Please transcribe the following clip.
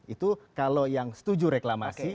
itu kalau yang setuju reklamasi